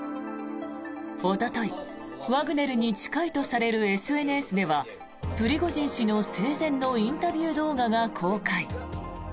おとといワグネルに近いとされるＳＮＳではプリゴジン氏の生前のインタビュー動画が公開。